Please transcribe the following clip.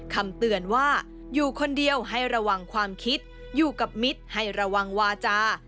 คำเตือนว่าอยู่คนเดียวให้ระวังความคิดอยู่กับมิตรให้ระวังวาจา